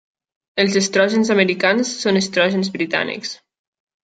Els estrògens americans són estrògens britànics.